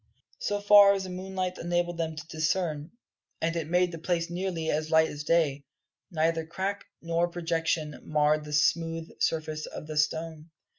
So far as the moonlight enabled them to discern and it made the place nearly as light as day neither crack nor projection marred the smooth surface of the stone.